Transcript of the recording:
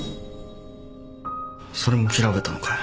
それも調べたのかよ。